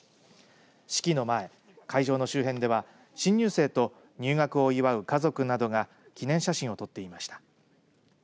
式の前、会場の周辺では新入生と入学を祝う家族などが記念写真を撮っていました。